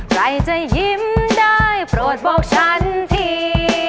ใครจะยิ้มได้โปรดบอกฉันที